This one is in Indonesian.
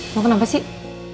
lo kenapa sih